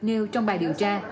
nêu trong bài điều tra